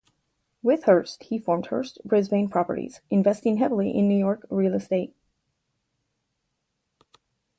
With Hearst, he formed Hearst-Brisbane Properties, investing heavily in New York real estate.